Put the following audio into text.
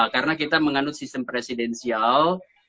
karena kita mengandung sistem presidensial